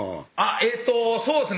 えっとそうですね